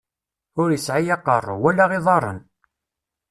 Ur isɛi aqeṛṛu, wala iḍaṛṛen.